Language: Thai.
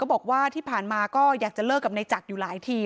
บอกว่าที่ผ่านมาก็อยากจะเลิกกับในจักรอยู่หลายที